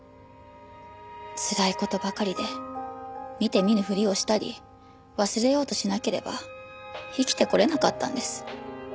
つらい事ばかりで見て見ぬふりをしたり忘れようとしなければ生きてこれなかったんです。